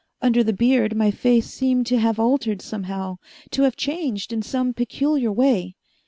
Under the beard, my face seemed to have altered somehow, to have changed in some peculiar way.